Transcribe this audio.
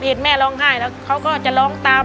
เห็นแม่ร้องไห้แล้วเขาก็จะร้องตาม